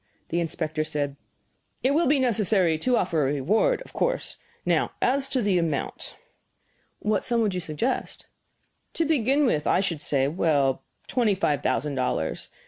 The inspector said: "It will be necessary to offer a reward, of course. Now as to the amount?" "What sum would you suggest?" "To begin with, I should say well, twenty five thousand dollars.